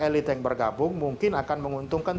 elit yang bergabung mungkin akan menguntungkan